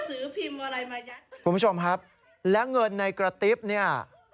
คุณผู้ชมครับและเงินในกระติ๊บนี่